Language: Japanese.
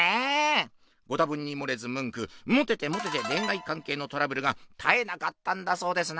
ご多分にもれずムンクモテてモテて恋愛関係のトラブルが絶えなかったんだそうですな。